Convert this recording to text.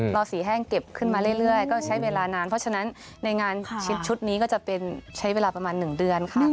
อสีแห้งเก็บขึ้นมาเรื่อยก็ใช้เวลานานเพราะฉะนั้นในงานชุดนี้ก็จะเป็นใช้เวลาประมาณ๑เดือนค่ะ